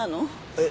えっ？